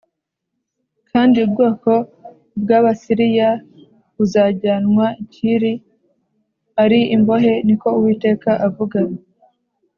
kandi ubwoko bw’Abasiriya buzajyanwa i Kiri ari imbohe.” Ni ko Uwiteka avuga.